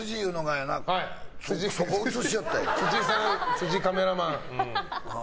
辻カメラマン。